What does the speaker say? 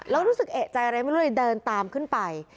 แล้วรู้สึกเอกใจอะไรไม่รู้เลยเดินตามขึ้นไป